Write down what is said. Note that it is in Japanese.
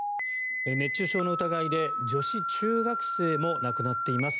熱中症の疑いで女子中学生も亡くなっています。